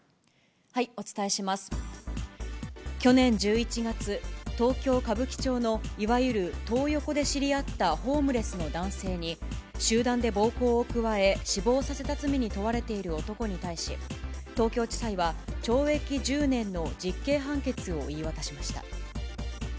去年１１月、東京・歌舞伎町のいわゆるトー横で知り合ったホームレスの男性に、集団で暴行を加え、死亡させた罪に問われている男に対し、東京地裁は、懲役１０年の実刑判決を言い渡しました。